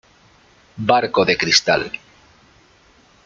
Barco De Cristal